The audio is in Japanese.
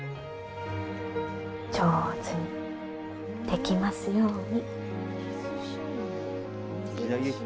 上手にできますように。